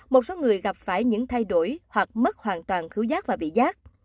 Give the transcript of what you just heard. một số người gặp phải những thay đổi hoặc mất hoàn toàn thiếu giác và bị giác